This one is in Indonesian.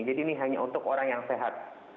jadi ini hanya untuk orang yang sehat